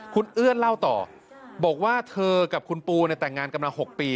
คุณเอื้อนเล่าต่อบอกว่าเธอกับคุณปูแต่งงานกันมา๖ปี